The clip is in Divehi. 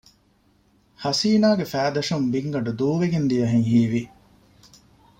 ހަސީނާގެ ފައިދަށުން ބިންގަނޑު ދޫވެގެން ދިޔަހެން ހީވި